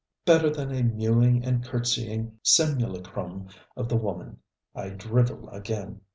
Better than a mewing and courtseying simulacrum of the woman I drivel again.